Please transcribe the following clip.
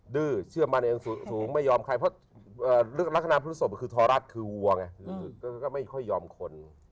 ดื้อเธอมันเองสูงไม่ยอมใครเพราะรักษณะพุทธศพคือธรรมคมไม่ค่อยยอมคน